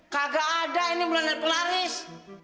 kagak ada ini bulan dari penglaris